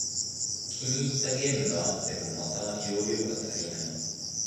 気に入ったゲームがあっても、また容量が足りない